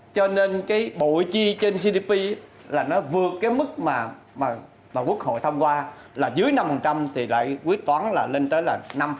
cho nên cái bộ chi trên gdp là nó vượt cái mức mà quốc hội tham qua là dưới năm thì lại quyết toán là lên tới là năm năm mươi hai